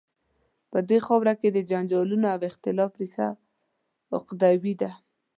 په دې خاوره کې د جنجالونو او اختلافات ریښه عقیدوي ده.